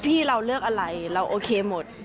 พี่เราเลือกอะไรเราโอเคหมด